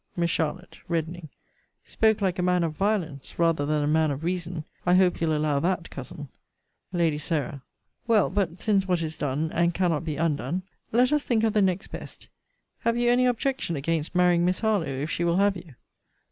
Miss Charlotte. [Reddening.] Spoke like a man of violence, rather than a man of reason! I hope you'll allow that, Cousin. Lady Sarah. Well, but since what is done, and cannot be undone, let us think of the next best, Have you any objection against marrying Miss Harlowe, if she will have you?